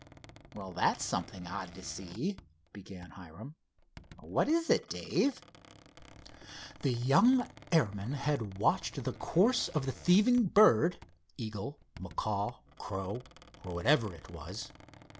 "Well, that's something odd to see," began Hiram—"what is it, Dave?" The young airman had watched the course of the thieving bird, eagle, macaw, crow, or whatever it was.